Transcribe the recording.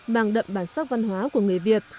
mang đậm bản sắc văn hóa của người việt